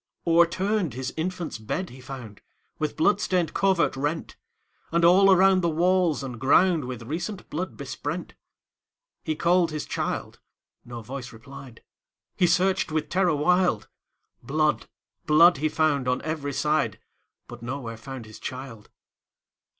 O'erturned his infant's bed he found, With blood stained covert rent; And all around the walls and groundWith recent blood besprent. He called his child,—no voice replied,—He searched with terror wild; Blood, blood, he found on every side, But nowhere found his child.